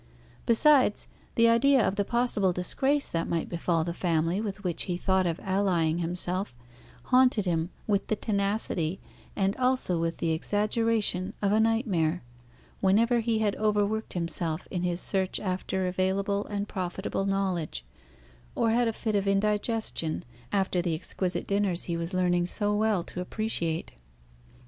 Besides, the idea of the possible disgrace that might befall the family with which he thought of allying himself haunted him with the tenacity and also with the exaggeration of a nightmare, whenever he had overworked himself in his search after available and profitable knowledge, or had a fit of indigestion after the exquisite dinners he was learning so well to appreciate.